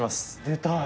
出たい。